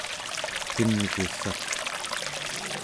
ken'gussaq